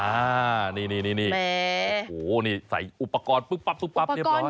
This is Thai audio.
อ่านี่โอ้โหนี่ใส่อุปกรณ์ปุ๊บเรียบร้อย